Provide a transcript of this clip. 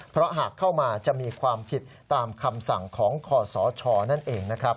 เพราะหากเข้ามาจะมีความผิดตามคำสั่งของคศนั่นเองนะครับ